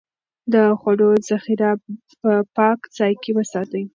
د خوړو ذخيره په پاک ځای کې وساتئ.